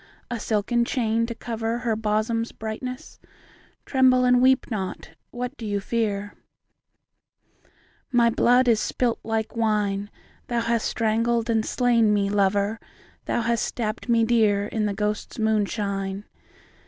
A silken chain, to cover Her bosom's brightness ? (Tremble and weep not : what dost thou fear ?)— My blood is spUt like wine, Thou hast strangled and slain me, lover. Thou hast stabbed me dear. In the ghosts' moonshine.